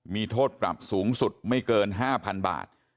มีโทษปรับสูงสุดไม่เกิน๕๐๐๐บาท